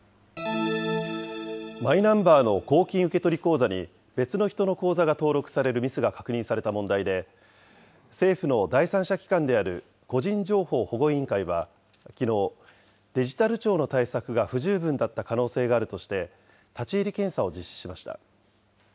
マイナンバーの公金受取口座に別の人の口座が登録されるミスが確認された問題で、政府の第三者機関である個人情報保護委員会は、きのう、デジタル庁の対策が不十分だった可能性があるとして、立ち入り検査を実施しました。